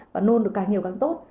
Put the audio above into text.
và nôn được càng nhiều càng tốt